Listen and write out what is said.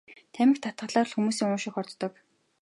Тамхи татахлаар хүмүүсийн уушиг хордог.